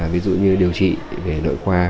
ví dụ như điều trị về nội khoa